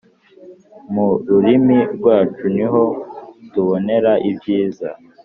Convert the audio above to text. mu rurimi rwacu, niho tubonera ibyiza